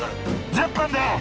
１０分で！